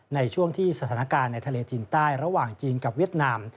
ในช่วงที่สถานการณ์ในทะเลจีนใต้ระหว่างจีนกับเวียดนาม